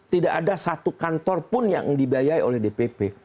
tidak ada satu kantor pun yang dibiayai oleh dpp